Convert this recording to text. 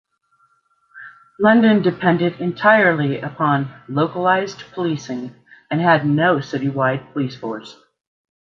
London depended entirely upon localised policing and had no citywide police force.